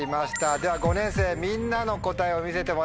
では５年生みんなの答えを見せてもらいましょう。